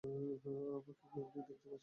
আমাকে কি আপনি দেখতে আসবেন?